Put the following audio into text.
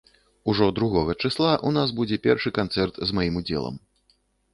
Ужо другога чысла ў нас будзе першы канцэрт з маім удзелам.